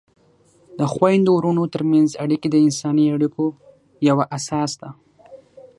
د خویندو ورونو ترمنځ اړیکې د انساني اړیکو یوه اساس ده.